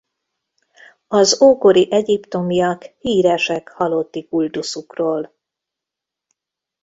Az ókori egyiptomiak híresek halotti kultuszukról.